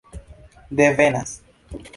devenas